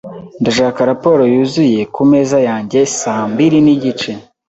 Ndashaka raporo yuzuye kumeza yanjye saa mbiri nigice.